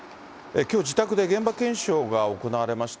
きょう自宅で現場検証が行われました。